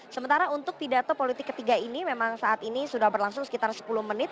sementara untuk pidato politik ketiga ini memang saat ini sudah berlangsung sekitar sepuluh menit